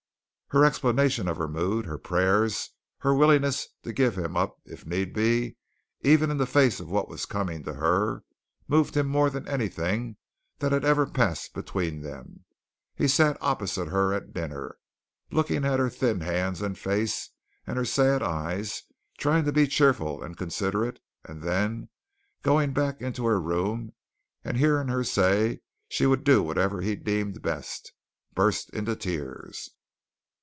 Her explanation of her mood, her prayers, her willingness to give him up if need be, even in the face of what was coming to her, moved him more than anything that had ever passed between them. He sat opposite her at dinner, looking at her thin hands and face, and her sad eyes, trying to be cheerful and considerate, and then, going back into her room and hearing her say she would do whatever he deemed best, burst into tears.